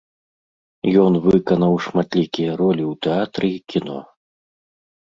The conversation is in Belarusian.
Ён выканаў шматлікія ролі ў тэатры і кіно.